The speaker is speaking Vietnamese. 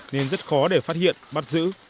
nên rất khó để phát hiện bắt giữ